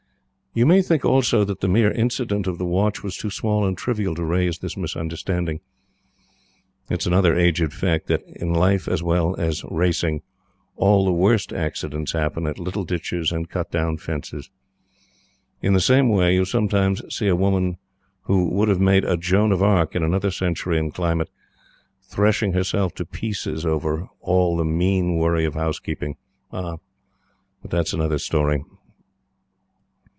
You may think, also, that the mere incident of the watch was too small and trivial to raise this misunderstanding. It is another aged fact that, in life as well as racing, all the worst accidents happen at little ditches and cut down fences. In the same way, you sometimes see a woman who would have made a Joan of Arc in another century and climate, threshing herself to pieces over all the mean worry of housekeeping. But that is another story.